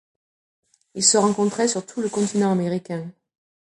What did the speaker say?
Il se rencontrait sur tout le continent américain.